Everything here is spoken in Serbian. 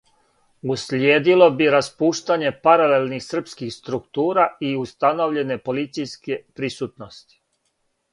Услиједило би распуштање паралелних српских структура и установљење полицијске присутности.